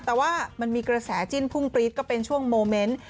แต่ว่ามันมีกระแสจิ้นพุ่งปรี๊ดก็เป็นช่วงโมเมนต์